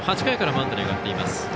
８回からマウンドに上がっています。